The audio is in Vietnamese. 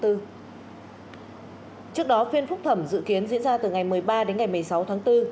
trước đó phiên phúc thẩm dự kiến diễn ra từ ngày một mươi ba đến ngày một mươi sáu tháng bốn